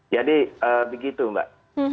jadi begitu mbak